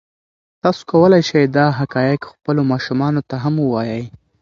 تاسو کولی شئ دا حقایق خپلو ماشومانو ته هم ووایئ.